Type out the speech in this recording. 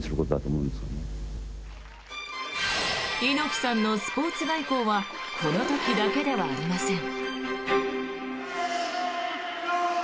猪木さんのスポーツ外交はこの時だけではありません。